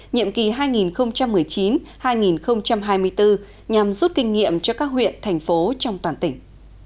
nhiệm kỳ hai nghìn một mươi chín hai nghìn hai mươi bốn nhằm rút kinh nghiệm cho các huyện thành phố trong toàn tỉnh